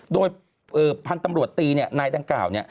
โดยพันธุ์ตำรวจตีนายดังกล่าว